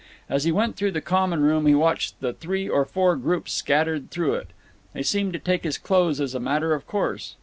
As he went through the common room he watched the three or four groups scattered through it. They seemed to take his clothes as a matter of course.